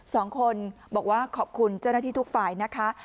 สองคนบอกว่าขอบคุณเจ้าหน้าที่ทุกฝ่ายนะคะ